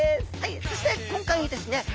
そして今回ですね